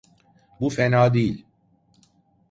Bu fena değil.